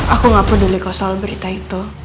aku gak peduli kau soal berita itu